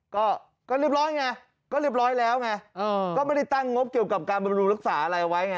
ก็ก็เรียบร้อยไงก็เรียบร้อยแล้วไงก็ไม่ได้ตั้งงบเกี่ยวกับการบำรุงรักษาอะไรไว้ไง